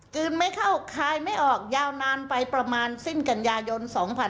ไม่เข้าคายไม่ออกยาวนานไปประมาณสิ้นกันยายน๒๕๖๒